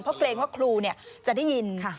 เพราะเกรงว่าครูจะได้ยิน